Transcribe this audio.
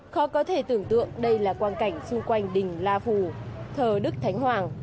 khó có thể tưởng tượng đây là quan cảnh xung quanh đình la phủ thờ đức thánh hoàng